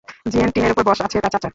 জ্বীন- টিনের উপর বশ আছে তার, চাচা।